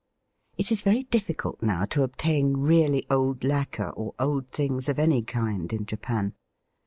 It is very difficult now to obtain really old lacquer or old things of any kind in Japan.